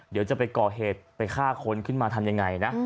เดี๋ยวจะไปก่อเหตุไปฆ่าคนขึ้นมาทำยังไงนะ